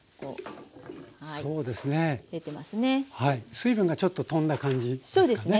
水分がちょっととんだ感じですかね。